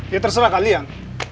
ya terserah kalian